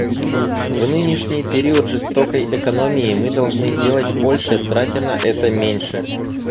В нынешний период жесткой экономии мы должны делать больше, тратя на это меньше.